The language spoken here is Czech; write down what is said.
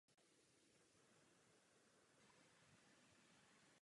Pro kněžství se rozhodl ve svých pěti letech.